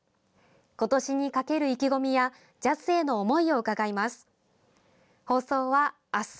今年にかける意気込みやジャズへの思いを伺います。